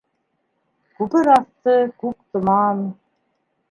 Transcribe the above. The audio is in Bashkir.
Күпер аҫты күк томан